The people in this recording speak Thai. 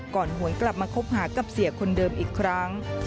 หวนกลับมาคบหากับเสียคนเดิมอีกครั้ง